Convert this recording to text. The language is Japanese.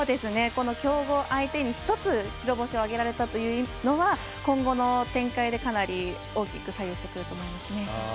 この強豪相手に１つ白星を挙げられたというのは今後の展開でかなり大きく左右してくると思いますね。